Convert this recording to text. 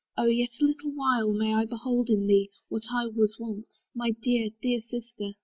Oh! yet a little while May I behold in thee what I was once, My dear, dear Sister!